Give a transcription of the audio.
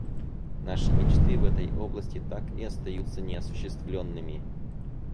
Наши мечты в этой области так и остаются неосуществленными.